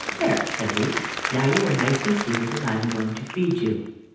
"There," said he, "now you are nicely seated I am going to feed you."